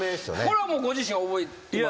これはもうご自身覚えてます？